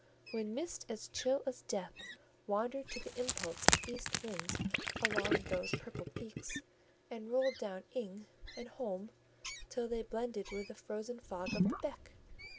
—when mists as chill as death wandered to the impulse of east winds along those purple peaks, and rolled down "ing" and holm till they blended with the frozen fog of the beck!